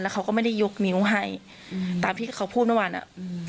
เขาก็ไม่ได้ยกนิ้วให้อืมตามที่เขาพูดเมื่อวานอ่ะอืม